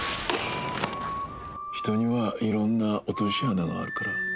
人にはいろんな落とし穴があるから。